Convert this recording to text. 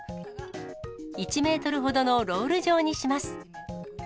１メートルほどのロール状にします。